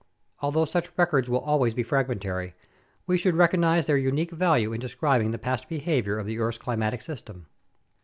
Although such records will al ways be fragmentary, we should recognize their unique value in describ ing the past behavior of the earth's climatic system.